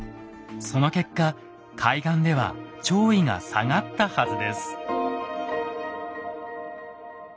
その結果海岸では潮位が下がったはずです。